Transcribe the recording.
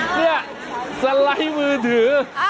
เห้ยนี่สไลด์มือถือ